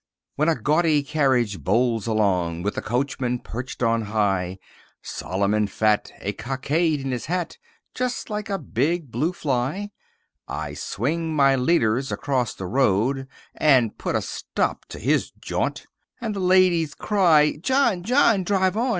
When a gaudy carriage bowls along, With a coachman perched on high, Solemn and fat, a cockade in his hat, Just like a big blue fly, I swing my leaders across the road, And put a stop to his jaunt, And the ladies cry, "John, John, drive on!"